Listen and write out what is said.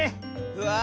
うわ！